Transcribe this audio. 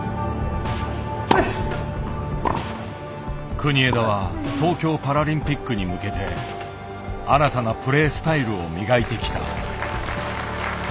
国枝は東京パラリンピックに向けて新たなプレースタイルを磨いてきた。